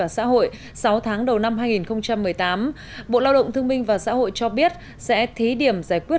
xã hội sáu tháng đầu năm hai nghìn một mươi tám bộ lao động thương minh và xã hội cho biết sẽ thí điểm giải quyết